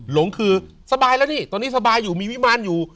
หลงคือสบายแล้วพี่ตอนนี้สบายอยู่มีวิมารอยู่